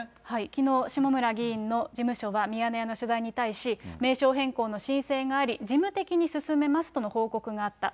きのう、下村議員の事務所はミヤネ屋の取材に対し、名称変更の申請があり、事務的に進めますとの報告があった。